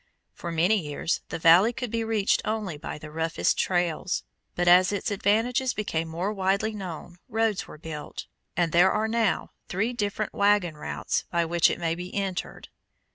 For many years the valley could be reached only by the roughest trails, but as its advantages became more widely known roads were built, and there are now three different wagon routes by which it may be entered.